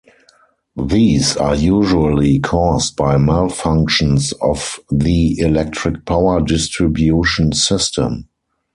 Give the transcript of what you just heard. These are usually caused by malfunctions of the electric power distribution system.